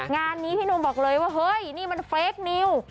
งานนี้พี่หนุ่มบอกเลยว่าเฮ้ยนี่มันเฟคนิว